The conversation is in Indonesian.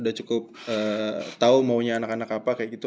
udah cukup tau maunya anak anak apa kayak gitu